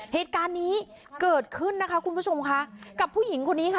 เหตุการณ์นี้เกิดขึ้นนะคะคุณผู้ชมค่ะกับผู้หญิงคนนี้ค่ะ